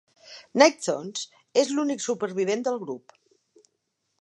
Nighthawk és l'únic supervivent del grup.